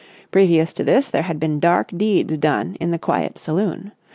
Previous to this there had been dark deeds done in the quiet saloon.